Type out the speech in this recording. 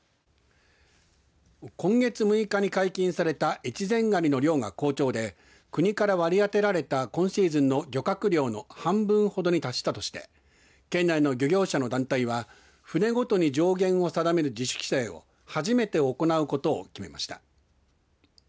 今月６日に解禁された越前がにの漁が好調で国から割り当てられた今シーズンの漁獲量の半分ほどに達したとして県内の漁業者の団体は船ごとに上限を定める自主規制を初めて行うことを決めました。